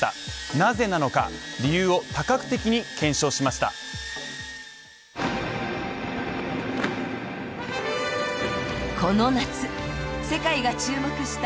なぜなのか、理由を多角的に検証しました。